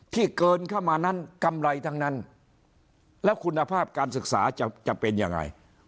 ที่เกินเข้ามานั้นกำไรทั้งนั้นแล้วคุณภาพการศึกษาจะเป็นยังไง